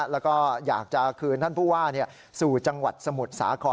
แล้วก็อยากจะคืนท่านผู้ว่าสู่จังหวัดสมุทรสาคร